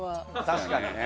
確かにね。